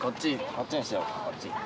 こっちにしようかこっち。